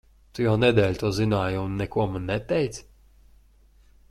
Tu jau nedēļu to zināji, un neko man neteici?